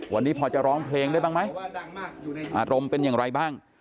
วันนี้พอจะร้องเพลงได้บ้างไหมอารมณ์เป็นอย่างไรบ้าง